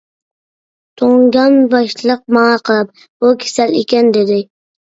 تۇڭگان باشلىق ماڭا قاراپ: ئۇ كېسەل ئىكەن، دېدى.